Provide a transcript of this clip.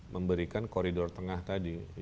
memberikan koridor tengah tadi